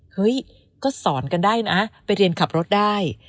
เฮ้ยก็สอนกันได้นะไปเรียนขับรถได้